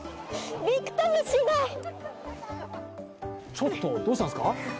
ちょっと、どうしたんですか？